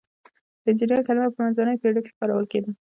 د انجینر کلمه په منځنیو پیړیو کې کارول کیده.